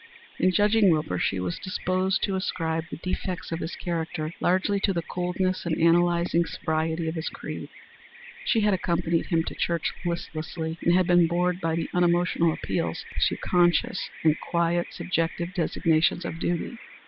In judging Wilbur she was disposed to ascribe the defects of his character largely to the coldness and analyzing sobriety of his creed. She had accompanied him to church listlessly, and had been bored by the unemotional appeals to conscience and quiet subjective designations of duty.